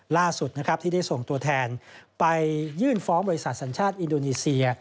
ล่าสุดนะครับที่ได้ส่งตัวแทนไปยื่นฟ้องบริษัทสัญชาติอินโดนีเซีย